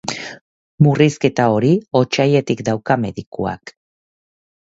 Murrizketa hori otsailetik dauka medikuak.